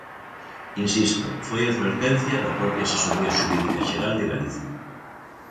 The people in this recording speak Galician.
Insisto, foi advertencia da propia Asesoría Xurídica Xeral de Galicia.